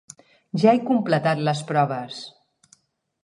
Ja he completat les proves.